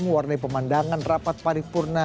mengwarnai pemandangan rapat paripurna dpr